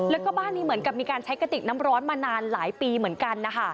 แล้วก็บ้านนี้เหมือนกับมีการใช้กระติกน้ำร้อนมานานหลายปีเหมือนกันนะคะ